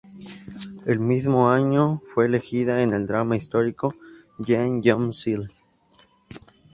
El mismo año, fue elegida en el drama histórico "Jang Yeong-sil".